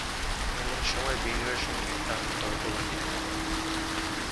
এমন সময় বিনয়ের সঙ্গে তাহার তর্ক বাধিয়া গেল।